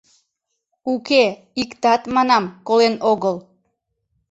— Уке, иктат, манам, колен огыл.